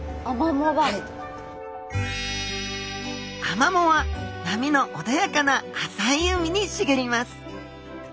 アマモは波のおだやかな浅い海にしげります。